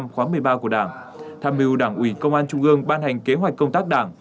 khóa một mươi ba của đảng tham mưu đảng ủy công an trung ương ban hành kế hoạch công tác đảng